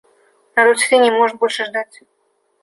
Народ Сирии не может больше ждать.